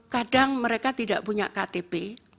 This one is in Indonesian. kadang mereka tidak punya ktp